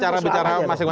saya bukan orang hukum